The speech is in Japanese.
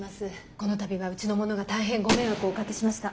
この度はうちの者が大変ご迷惑をおかけしました。